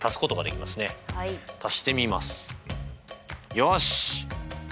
よし！